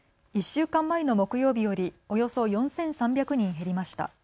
１週間前の木曜日よりおよそ４３００人減りました。